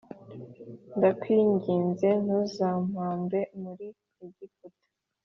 E ndakwinginze ntuzampambe muri egiputa